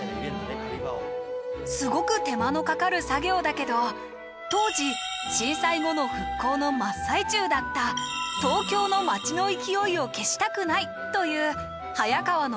すごく手間のかかる作業だけど当時震災後の復興の真っ最中だった東京の街の勢いを消したくないという早川の気配りから